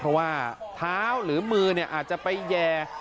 เพราะว่าเท้าหรือมืออาจจะไปแย่